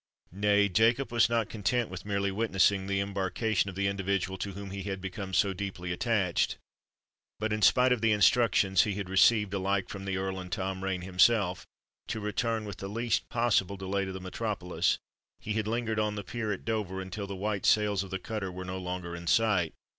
Nay—Jacob was not content with merely witnessing the embarkation of the individual to whom he had become so deeply attached; but, in spite of the instructions he had received alike from the Earl and Tom Rain himself to return with the least possible delay to the metropolis, he had lingered on the pier at Dover until the white sails of the cutter were no longer in sight.